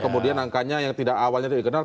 kemudian angkanya yang tidak awalnya tidak dikenal